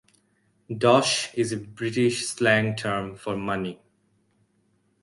"Dosh" is a British slang term for money.